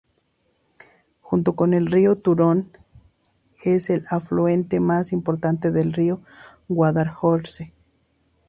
Junto con el río Turón, es el afluente más importante del río Guadalhorce.